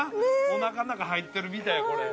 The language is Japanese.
おなかの中入ってるみたいやこれ。